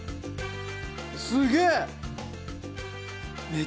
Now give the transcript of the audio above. すげえ！